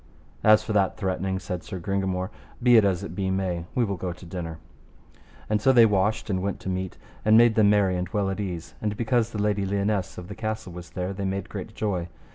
As for that threatening, said Sir Gringamore, be it as it be may, we will go to dinner. And so they washed and went to meat, and made them merry and well at ease, and because the Lady Lionesse of the castle was there, they made great joy.